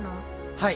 はい。